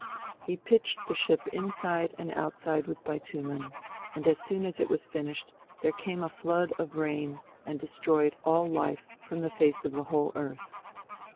He pitched the ship inside and outside with bitumen, and as soon as it was finished, there came a flood of rain and "destroyed all life from the face of the whole earth.